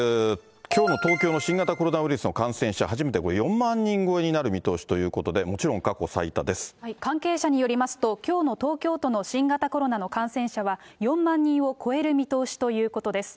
きょうの東京の新型コロナウイルスの感染者、初めて４万人超えになる見通しということで、もちろん過去最多で関係者によりますと、きょうの東京都の新型コロナの感染者は４万人を超える見通しということです。